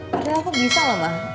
padahal aku bisa loh mbak